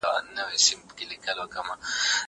زه مخکي مينه څرګنده کړې وه؟!